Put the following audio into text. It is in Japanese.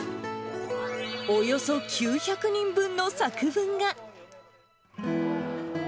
およそ９００人分の作文が。